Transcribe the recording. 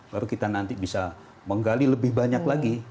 lalu kita nanti bisa menggali lebih banyak lagi potensi laut